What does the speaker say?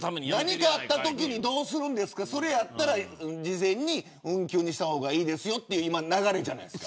何かあったときにどうするんですかそれだったら事前に運休にした方がいいですよという流れじゃないですか。